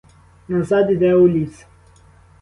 Назад іде у ліс!